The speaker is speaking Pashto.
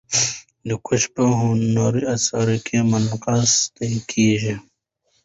هندوکش په هنري اثارو کې منعکس کېږي.